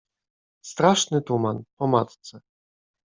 Straszny tuman. Po matce.